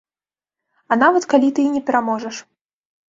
А нават калі ты і не пераможаш.